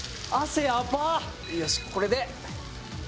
「よしこれで」